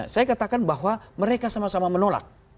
saya katakan bahwa mereka sama sama menolak